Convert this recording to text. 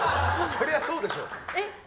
そりゃそうでしょ。